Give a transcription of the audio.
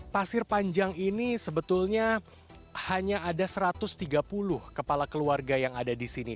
pasir panjang ini sebetulnya hanya ada satu ratus tiga puluh kepala keluarga yang ada di sini